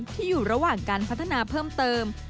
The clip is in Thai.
ที่อยู่ระหว่างการพัฒนาเพิ่มเติม